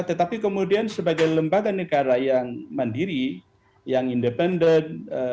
tetapi kemudian sebagai lembaga negara yang mandiri yang independen